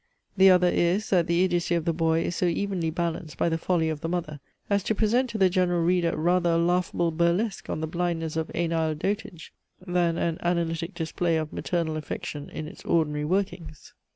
The other is, that the idiocy of the boy is so evenly balanced by the folly of the mother, as to present to the general reader rather a laughable burlesque on the blindness of anile dotage, than an analytic display of maternal affection in its ordinary workings.